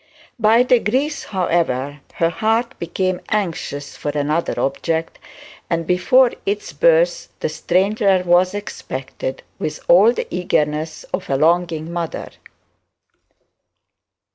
By degrees, however, her heart became anxious for another object, and, before its birth, the stranger was expected with all the eagerness of a longing mother.